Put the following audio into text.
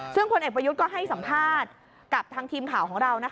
ซึ่งพลเอกประยุทธ์ก็ให้สัมภาษณ์กับทางทีมข่าวของเรา